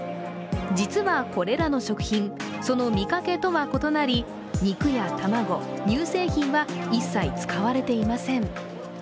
実は、これらの食品、その見かけとは異なり肉や卵、乳製品は一切使われていません。